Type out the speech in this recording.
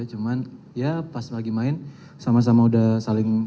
cuman ya pas lagi main sama sama udah saling